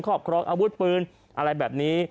ครอบครองอาวุธปืนอะไรแบบนี้